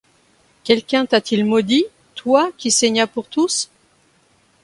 Quelqu'un t'a-t-il maudit, toi qui saignas pour tous ?